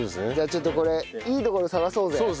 じゃあちょっとこれいいところ探そうぜ。